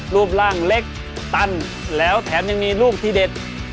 รูปร่างเล็กตันแล้วแถมยังมีลูกที่เด็ด